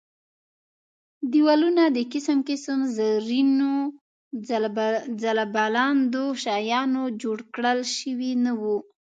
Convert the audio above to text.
دېوالونه د قسم قسم زرینو ځل بلاندو شیانو جړاو کړل شوي نه وو.